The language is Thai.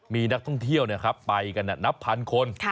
มีนักท่องเที่ยวไปกันนับพันคน